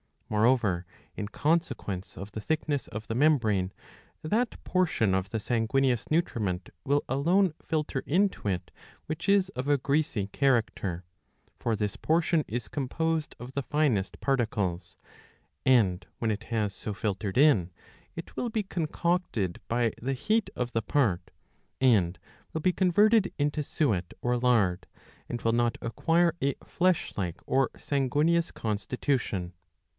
Moreover, in consequence of the thick ness of the membrane, that portion of the sanguineous nutriment will alone filter into it which is of a greasy character ; for this portion is composed of the finest particles ; and when it has so 677b. 96 iv. 3 — iv. 4. filtered in, it will be concocted by the heat of the part, and will be converted into suet or lard, and will not acquire a flesh like or sanguineous constitution.